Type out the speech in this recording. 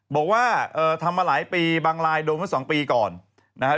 บอกว่าทำมาหลายปีบางรายโดนเมื่อ๒ปีก่อนนะครับ